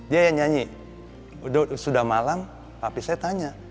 dia yang nyanyi sudah malam tapi saya tanya